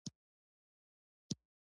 دا یوازینۍ معقوله حل لاره ده.